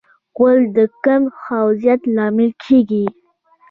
غول د کم خوځښت لامل کېږي.